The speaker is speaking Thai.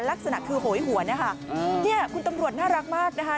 ลักษณะคือโหยหวนนะคะเนี่ยคุณตำรวจน่ารักมากนะคะ